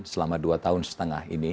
selama dua tahun setengah ini